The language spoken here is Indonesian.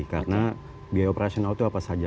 karena biaya operasional itu apa saja